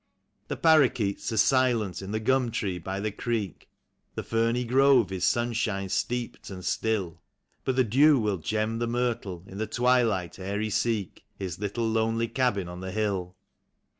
The parrakeets are silent in the gum tree by the creek; The ferny grove is sunshine steeped and still; But the dew will gem the myrtle in the twilight ere he seek His little lonely cabin on the hill.